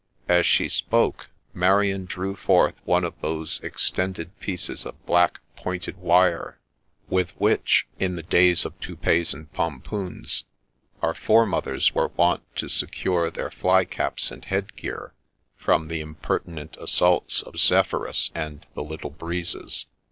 ' As she spoke, Marian drew forth one of those extended pieces of black pointed wire, with which, in the days of toupees and pompoons, our fore mothers were wont to secure their fly caps and head gear from the impertinent assaults of ' Zephyrus and the Little Breezes.'